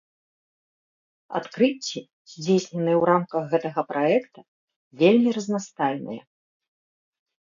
Адкрыцці, здзейсненыя ў рамках гэтага праекта, вельмі разнастайныя.